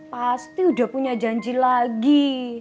pasti udah punya janji lagi